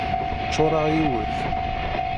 Ccuṛeɣ yiwet.